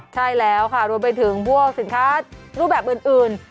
ใช่แล้วค่ะรวมไปถึงพวกสินค้ารูปแบบอื่น